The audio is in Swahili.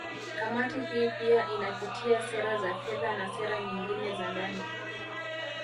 Kamati hii pia inapitia sera za fedha na sera nyingine za ndani